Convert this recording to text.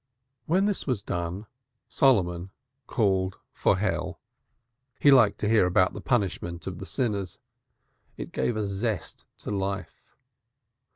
When this was done, Solomon called for Hell. He liked to hear about the punishment of the sinners; it gave a zest to life.